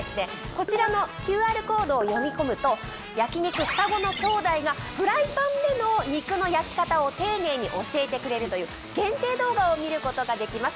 こちらのＱＲコードを読み込むと焼肉ふたごの兄弟がフライパンでの肉の焼き方を丁寧に教えてくれるという限定動画を見ることができます。